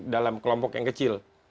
dalam kelompok yang kecil